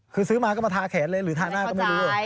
คือซื้อมาก็มาทาแขนเลยหรือทาหน้าก็ไม่รู้